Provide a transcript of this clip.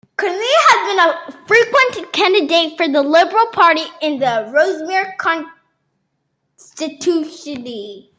Connelly has been a frequent candidate for the Liberal Party in the Rossmere constituency.